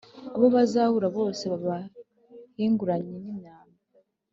Abo bazahura bose babahinguranye n’imyambi,